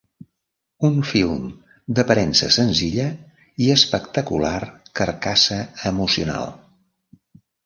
Un film d'aparença senzilla i espectacular carcassa emocional.